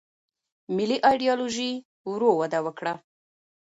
ملي ایدیالوژي ورو وده وکړه.